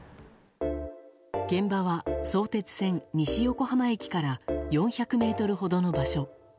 現場は、相鉄線西横浜駅から４００ｍほどの場所。